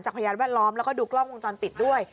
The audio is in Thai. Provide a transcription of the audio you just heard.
พยานแวดล้อมแล้วก็ดูกล้องวงจรปิดด้วย